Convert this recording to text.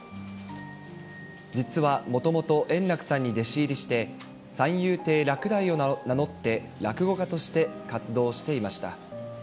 実はもともと円楽さんに弟子入りして、三遊亭楽大を名乗って、落語家として活動していました。